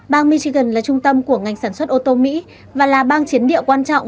bang michigan là trung tâm của ngành sản xuất ô tô mỹ và là bang chiến địa quan trọng